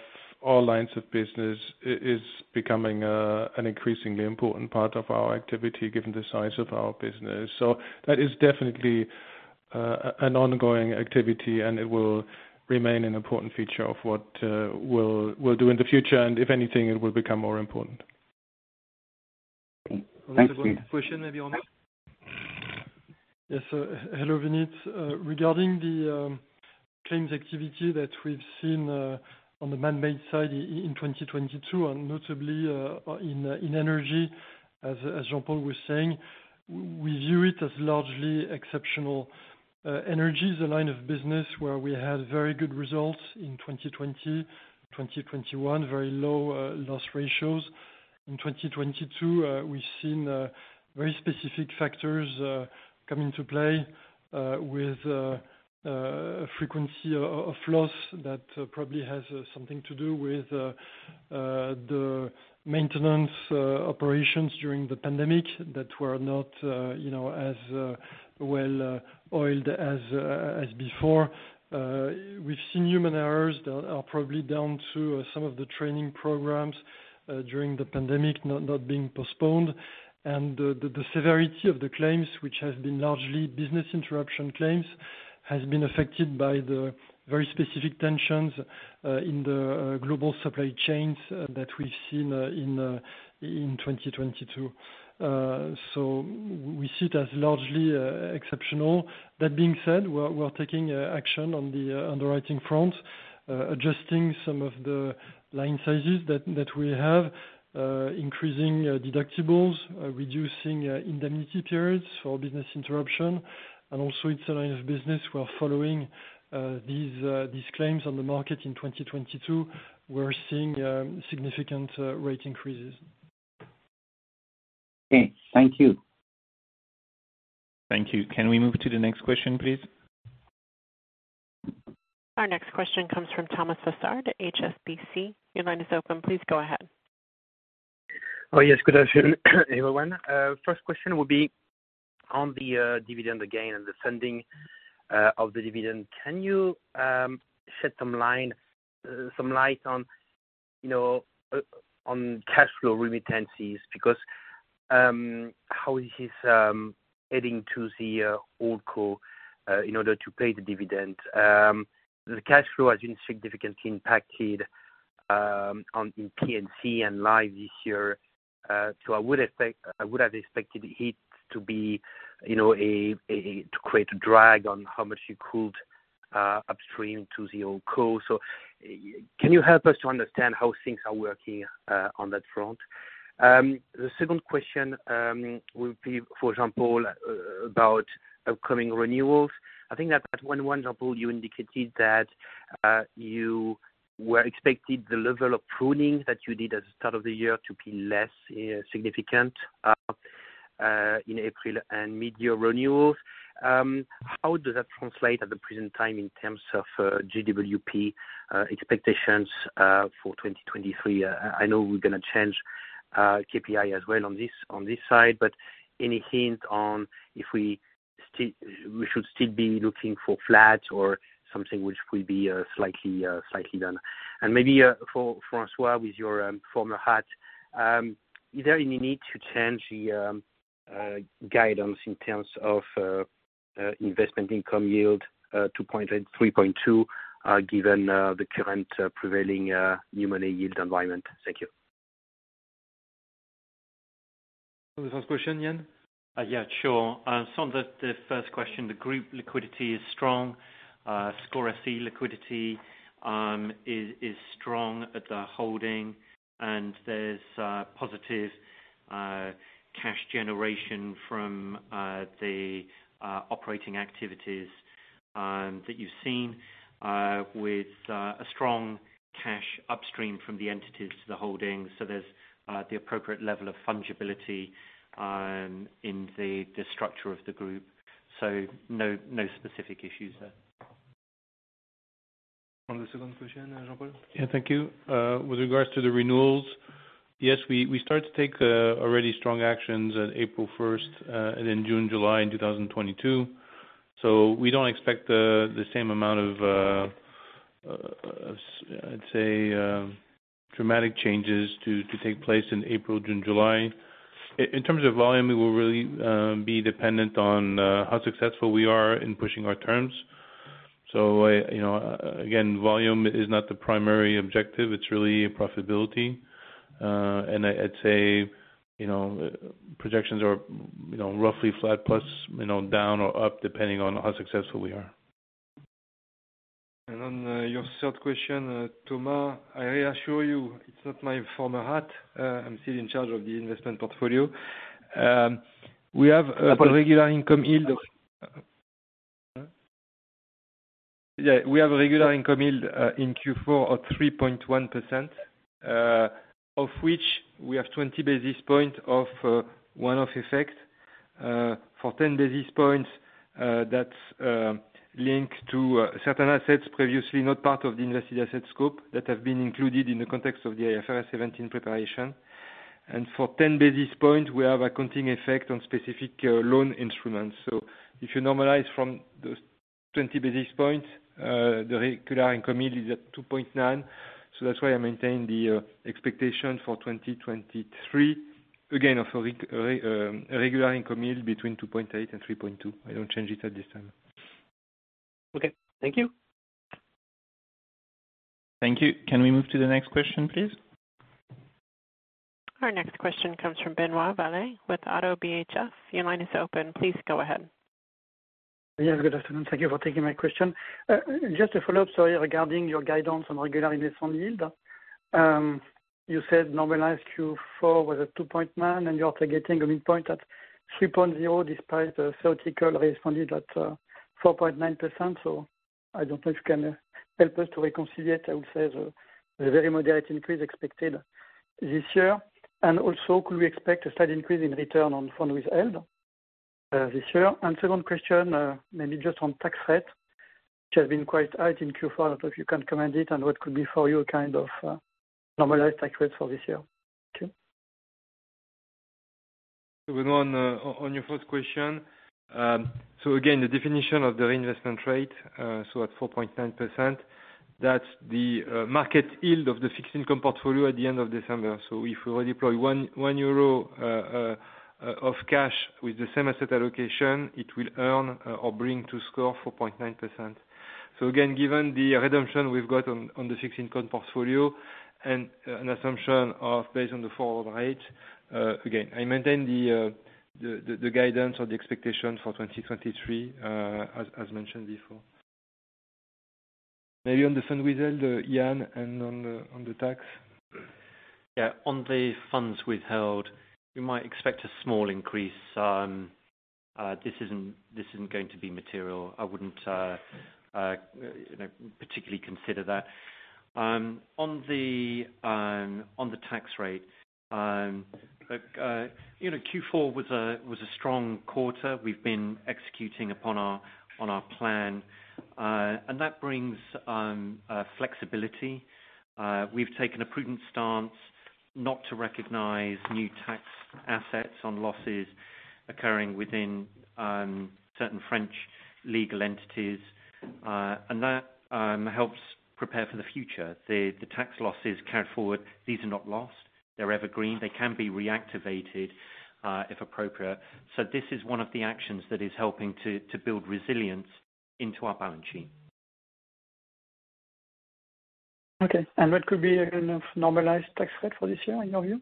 all lines of business is becoming an increasingly important part of our activity, given the size of our business. That is definitely an ongoing activity, and it will remain an important feature of what we'll do in the future. If anything, it will become more important. Thank you. Question maybe on this. Hello, Vinit. Regarding the claims activity that we've seen on the man-made side in 2022 and notably in in energy, as Jean-Paul was saying, we view it as largely exceptional. Energy is a line of business where we had very good results in 2020, 2021, very low loss ratios. In 2022, we've seen very specific factors come into play with frequency of loss that probably has something to do with the maintenance operations during the pandemic that were not, you know, as well oiled as before. We've seen human errors that are probably down to some of the training programs during the pandemic not being postponed. The severity of the claims, which has been largely business interruption claims, has been affected by the very specific tensions in the global supply chains that we've seen in 2022. We see it as largely exceptional. That being said, we're taking action on the underwriting front, adjusting some of the line sizes that we have, increasing deductibles, reducing indemnity periods for business interruption. It's a line of business we're following these claims on the market in 2022. We're seeing significant rate increases. Okay. Thank you. Thank you. Can we move to the next question, please? Our next question comes from Thomas Fossard at HSBC. Your line is open. Please go ahead. Yes. Good afternoon everyone. First question will be on the dividend again and the funding of the dividend. Can you shed some light on, you know, on cash flow remittances because how is this heading to the HoldCo in order to pay the dividend? The cash flow has been significantly impacted on, in P&C and Life & Health this year. I would expect, I would have expected it to be, you know, to create a drag on how much you could upstream to the HoldCo. Can you help us to understand how things are working on that front? The second question will be for Jean-Paul about upcoming renewals. I think that at one example you indicated that you were expected the level of pruning that you did at the start of the year to be less significant in April and midyear renewals. How does that translate at the present time in terms of GWP expectations for 2023? I know we're gonna change KPI as well on this, on this side, but any hint on if we should still be looking for flat or something which will be slightly slightly down. Maybe for François, with your former hat, is there any need to change the guidance in terms of investment income yield 3.2, given the current prevailing new money yield environment? Thank you. For the first question, Yann. Yeah, sure. On the first question, the group liquidity is strong. SCOR's liquidity is strong at the holding, and there's positive cash generation from the operating activities that you've seen with a strong cash upstream from the entities to the holdings. There's the appropriate level of fungibility in the structure of the group. No specific issues there. On the second question, Jean-Paul. Thank you. With regards to the renewals, yes, we start to take already strong actions on April 1st, and in June, July in 2022. We don't expect the same amount of, I'd say, dramatic changes to take place in April, June, July. In terms of volume, it will really be dependent on how successful we are in pushing our terms. I, you know, again, volume is not the primary objective. It's really profitability. I'd say, you know, projections are, you know, roughly flat plus, you know, down or up, depending on how successful we are. On, your third question, Thomas, I reassure you it's not my former hat. I'm still in charge of the investment portfolio. Jean-Paul We have a regular income in Q4 of 3.1%, of which we have 20 basis points of one-off effect, for 10 basis points, that's linked to certain assets previously not part of the invested asset scope that have been included in the context of the IFRS 17 preparation. For 10 basis points, we have accounting effect on specific loan instruments. If you normalize from those 20 basis points, the regular income yield is at 2.9. That's why I maintain the expectation for 2023, again, of a regular income yield between 2.8 and 3.2. I don't change it at this time. Okay. Thank you. Thank you. Can we move to the next question, please? Our next question comes from Benot Valar with ODDO BHF. Your line is open. Please go ahead. Yeah, good afternoon. Thank you for taking my question. Just a follow-up story regarding your guidance on regular investment yield. You said normalized Q4 was at 2.9, and you're targeting a midpoint at 3.0 despite a theoretical response at 4.9%. I don't know if you can help us to reconcile, I would say, the very moderate increase expected this year. Also, could we expect a slight increase in return on funds withheld this year? Second question, maybe just on tax rate, which has been quite high in Q4, if you can comment it and what could be for you, kind of, normalized tax rates for this year. Thank you. Going on your first question. Again, the definition of the reinvestment rate, so at 4.9%, that's the market yield of the fixed income portfolio at the end of December. If we deploy 1 euro of cash with the same asset allocation, it will earn or bring to SCOR 4.9%. Again, given the redemption we've got on the fixed income portfolio and an assumption of based on the forward rate, again, I maintain the guidance or the expectation for 2023, as mentioned before. Maybe on the funds withheld, Yann, and on the tax. On the funds withheld, you might expect a small increase. This isn't going to be material. I wouldn't, you know, particularly consider that. On the tax rate, look, you know, Q4 was a strong quarter. We've been executing upon our plan, and that brings flexibility. We've taken a prudent stance not to recognize new tax assets on losses occurring within certain French legal entities, and that helps prepare for the future. The tax losses carried forward, these are not lost. They're evergreen. They can be reactivated if appropriate. This is one of the actions that is helping to build resilience into our balance sheet. Okay. What could be a kind of normalized tax rate for this year in your view?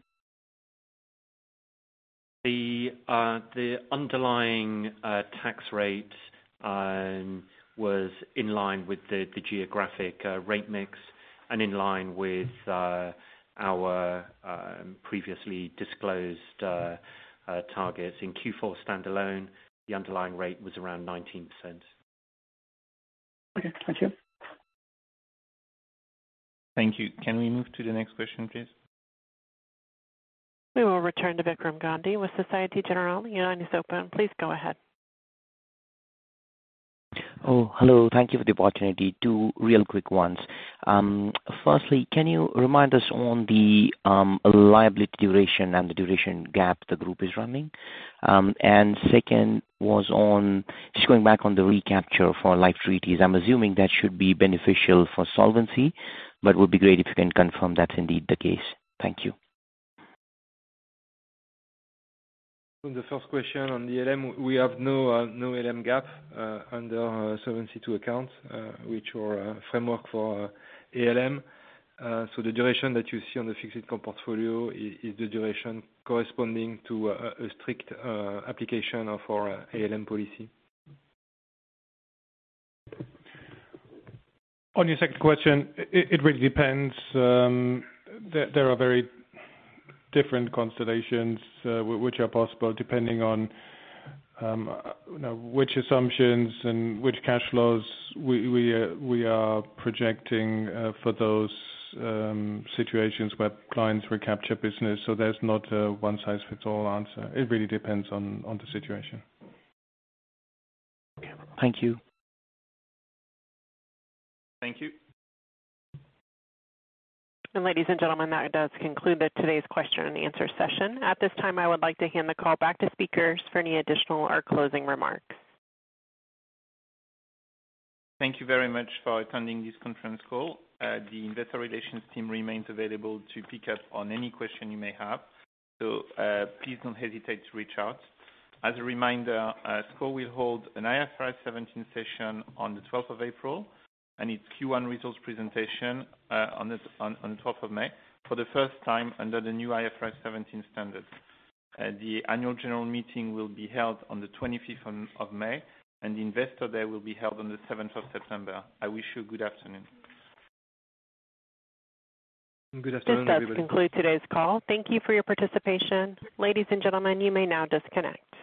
The underlying tax rate was in line with the geographic rate mix and in line with our previously disclosed targets. In Q4 standalone, the underlying rate was around 19%. Okay. Thank you. Thank you. Can we move to the next question, please? We will return to Vikram Gandhi with Societe Generale. Your line is open. Please go ahead. Oh, hello. Thank you for the opportunity. Two real quick ones. Firstly, can you remind us on the liability duration and the duration gap the group is running? Second was on just going back on the recapture for life treaties. I'm assuming that should be beneficial for solvency, but would be great if you can confirm that's indeed the case. Thank you. On the first question on the ALM, we have no ALM gap, under Solvency II accounts, which are a framework for ALM. The duration that you see on the fixed income portfolio is the duration corresponding to a strict application of our ALM policy. On your second question, it really depends. There are very different constellations which are possible depending on, you know, which assumptions and which cash flows we are projecting for those situations where clients recapture business. There's not a one-size-fits-all answer. It really depends on the situation. Okay. Thank you. Thank you. Ladies and gentlemen, that does conclude the today's question and answer session. At this time, I would like to hand the call back to speakers for any additional or closing remarks. Thank you very much for attending this conference call. The investor relations team remains available to pick up on any question you may have. Please don't hesitate to reach out. As a reminder, SCOR will hold an IFRS 17 session on the 12th of April, and its Q1 results presentation on the 12th of May for the 1st time under the new IFRS 17 standards. The Annual General Meeting will be held on the 25th of May, and the Investor Day will be held on the 7th of September. I wish you a good afternoon. Good afternoon, everybody. This does conclude today's call. Thank you for your participation. Ladies and gentlemen, you may now disconnect.